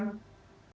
terima kasih bang bram